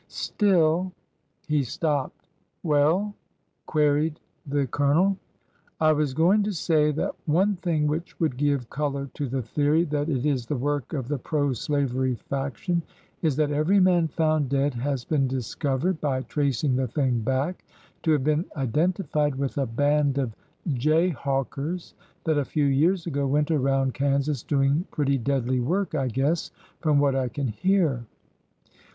Still—'' He stopped. Well ?" queried the Colonel. I was going to say that one thing which would give color to the theory that it is the work of the pro slavery faction is that every man found dead has been discovered, by tracing the thing back, to have been identified with a band of jayhawkers that a few years ago went around Kansas doing pretty deadly work, I guess, from what I can hear."